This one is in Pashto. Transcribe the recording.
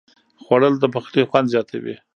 خوړل د پخلي خوند زیاتوي